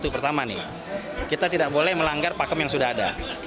pertama nih kita tidak boleh melanggar pakem yang sudah ada